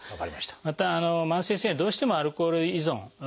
また慢性すい炎はどうしてもアルコール依存